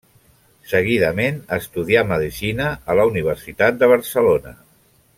Seguidament, estudià medicina a la Universitat de Barcelona.